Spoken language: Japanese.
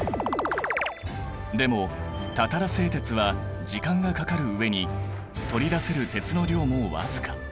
でもたたら製鉄は時間がかかる上に取り出せる鉄の量も僅か。